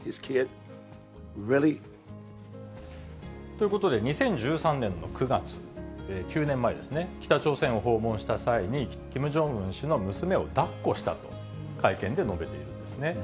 ということで２０１３年の９月、９年前ですね、北朝鮮を訪問した際に、キム・ジョンウン氏の娘をだっこしたと、会見で述べているんですね。